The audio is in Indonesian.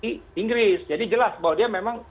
di inggris jadi jelas bahwa dia memang